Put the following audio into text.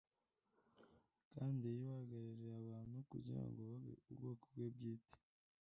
kandi yuhagirire abantu kugira ngo babe ubwoko bwe bwite,